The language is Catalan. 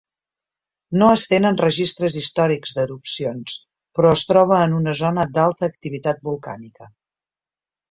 No es tenen registres històrics d'erupcions, però es troba en una zona d'alta activitat volcànica.